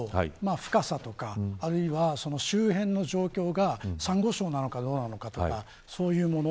深さとかあるいはその周辺の状況がサンゴ礁なのか、どうなのかとかそういうもの。